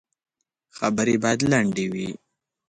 خبري باید لنډي وي .